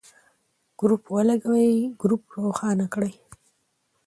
ګروپ ولګوئ ، ګروپ روښانه کړئ.